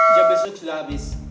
job besok sudah habis